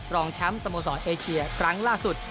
รองแชมป์สโมสรเอเชียครั้งล่าสุด